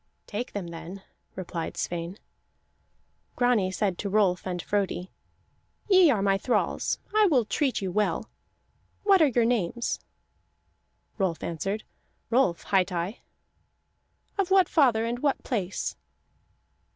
"Take them then," replied Sweyn. Grani said to Rolf and Frodi: "Ye are my thralls; I will treat you well. What are your names?" Rolf answered: "Rolf hight I." "Of what father and what place?"